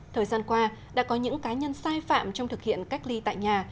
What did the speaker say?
thời gian qua đã có những cá nhân sai phạm trong thực hiện cách ly tại nhà